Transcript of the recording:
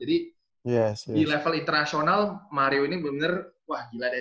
jadi di level internasional mario ini bener bener wah gila deh